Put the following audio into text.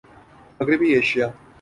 مغربی ایشیا